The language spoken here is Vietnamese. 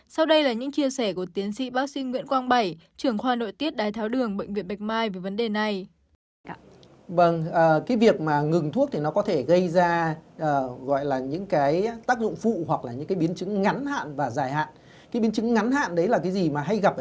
sau đây là những chia sẻ của tiến sĩ bác sĩ nguyễn quang bảy trưởng khoa nội tiết đái tháo đường bệnh viện bạch mai về vấn đề này